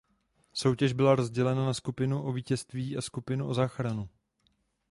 Soutěž byla rozdělena na skupinu o vítězství a skupinu o záchranu.